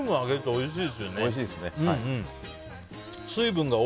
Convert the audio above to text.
おいしい。